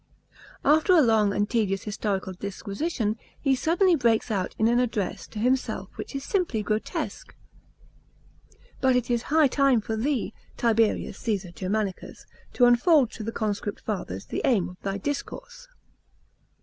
After a long and tedious historical disquisition, he suddenly breaks out in an address to himself which is simply grotesque: "But it is high time for thee, 0 Tiberius Caesar Germanicus, to unfold to the conscript fathers the aim of thy discourse."